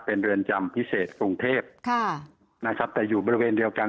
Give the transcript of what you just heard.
เป็นเรือนจำพิเศษกรุงเทพค่ะนะครับแต่อยู่บริเวณเดียวกัน